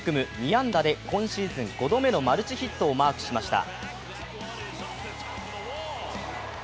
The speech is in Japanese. ２安打で今シーズン５度目のマルチヒットをマークしました。